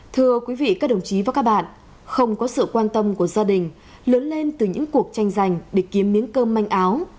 thưa quý vị các đồng chí và các bạn không có sự quan tâm của gia đình lớn lên từ những cuộc tranh giành để kiếm miếng cơm manh áo